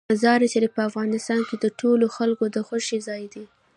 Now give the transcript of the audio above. مزارشریف په افغانستان کې د ټولو خلکو د خوښې ځای دی.